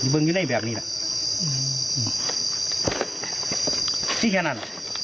บึงอยู่ในแบบนี้แหละอืมที่แค่นั้น